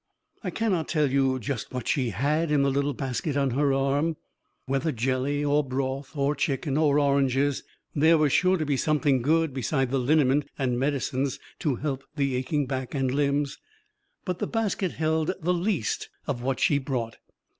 I cannot tell you just what she had in the little basket on her arm, whether jelly or broth or chicken or oranges; there was sure to be something good beside the liniment and medicines to help the aching back and limbs. But the basket held the least of what she brought.